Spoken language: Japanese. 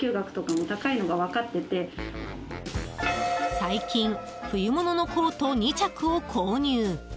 最近、冬物のコート２着を購入。